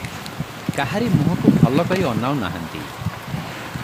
କାହାରି ମୁହଁକୁ ଭଲ କରି ଅନାଉ ନାହାନ୍ତି ।